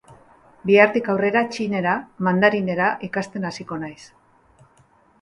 Bihartik aurrera txinera, mandarinera, ikasten hasiko naiz.